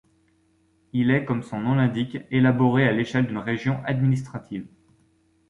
Il est comme son nom l'indique élaboré à l’échelle d’une région administrative.